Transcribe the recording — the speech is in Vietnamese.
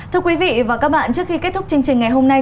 thưa quý vị và các bạn trước khi kết thúc chương trình ngày hôm nay